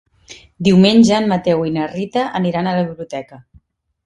Diumenge en Mateu i na Rita aniran a la biblioteca.